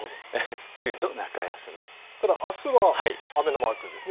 梅雨の中休み、ただあすは雨のマークですね。